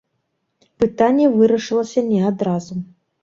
Пытанне вырашылася не адразу.